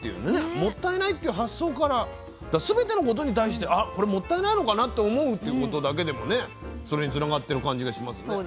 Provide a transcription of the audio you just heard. もったいないっていう発想からすべてのことに対してこれ、もったいないのかなって思うってことだけでもそれにつながってる感じがします。